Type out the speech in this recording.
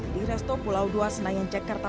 di resto pulau dua senayan jakarta